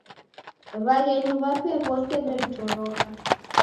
W'aghenyu w'ape w'ose w'emtoroka.